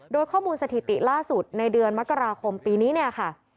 โดยข้อมูลสถิติล่าสุดในเดือนมกราคมปีนี้เนี่ยค่ะ